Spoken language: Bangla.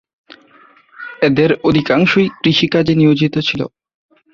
এদের অধিকাংশই কৃষিকাজে নিয়োজিত ছিল।